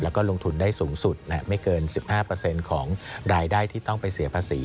แล้วก็ลงทุนได้สูงสุดไม่เกิน๑๕ของรายได้ที่ต้องไปเสียภาษี